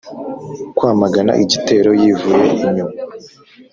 kwamagana igitero yivuye inyuma,